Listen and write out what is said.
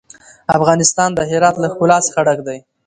افغانستان د هرات له ښکلا څخه ډک دی.